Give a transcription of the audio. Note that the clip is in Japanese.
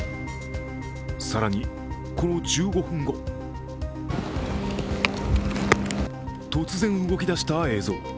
更に、この１５分後突然動きだした映像。